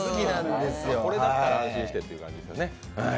これだったら安心してという感じですね。